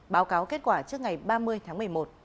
báo cáo kết quả trước ngày ba mươi tháng một mươi một